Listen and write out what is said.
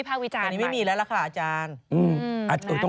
โปรคนก็วิภาควิจารณ์